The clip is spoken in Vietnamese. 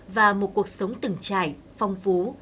và một cuộc sống từng trải phong phú